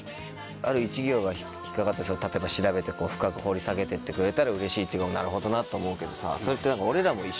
ある１行が引っ掛かって例えば調べて深く掘り下げてってくれたらうれしいっていうのはなるほどなって思うけどさそれって何か。